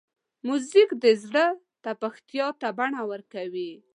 موزیک د زړه تپښتا ته بڼه ورکوي.